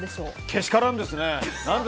けしからんですね。